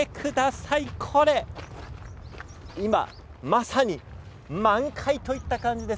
今まさに満開といった感じです。